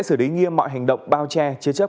xử lý nghiêm mọi hành động bao che chế chấp